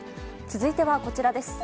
続いてはこちらです。